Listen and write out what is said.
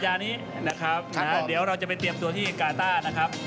หลังจากนี้เดี๋ยวเราจะไปเตรียมตัวที่การ์ต้า